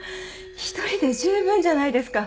１人で十分じゃないですか。